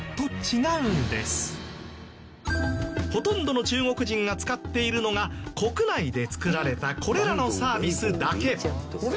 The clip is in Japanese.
ほとんどの中国人が使っているのが国内で作られたこれらのサービスだけ。